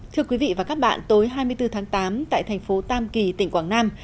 thưa quý vị và các bạn tối hai mươi bốn tháng tám tại thành phố tam kỳ tỉnh quảng nam